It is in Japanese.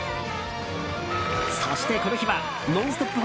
そして、この日は「ノンストップ！」